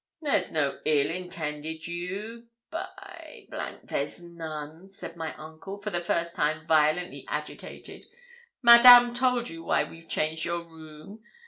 'There's no ill intended you; by there's none,' said my uncle, for the first time violently agitated. 'Madame told you why we've changed your room.